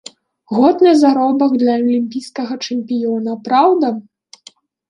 Годны заробак для алімпійскага чэмпіёна, праўда?